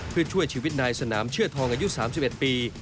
เพื่อช่วยชีวิตนายสนามเชื่อทองอายุ๓๑ปี